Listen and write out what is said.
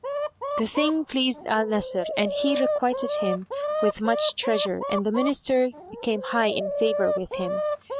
The thing pleased Al Nasir and he requited him with much treasure and the Minister became high in favour with him.